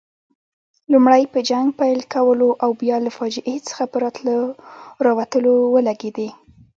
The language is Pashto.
لومړی په جنګ پیل کولو او بیا له فاجعې څخه په راوتلو ولګېدې.